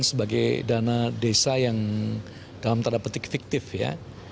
sebagai dana desa yang dalam tanda petik fiktif ya